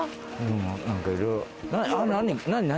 何？